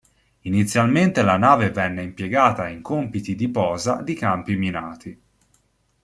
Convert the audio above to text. Inizialmente la nave venne impiegata in compiti di posa di campi minati.